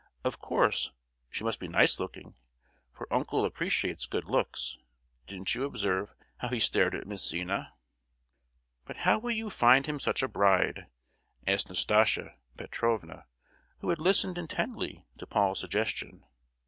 Of course she must be nice looking, for uncle appreciates good looks; didn't you observe how he stared at Miss Zina?" "But how will you find him such a bride?" asked Nastasia Petrovna, who had listened intently to Paul's suggestion.